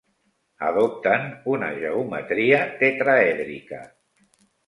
Adopten una geometria tetraèdrica.